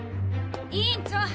委員長！